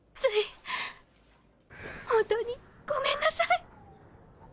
本当にごめんなさい。